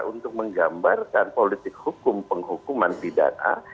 untuk menggambarkan politik hukum penghukuman pidana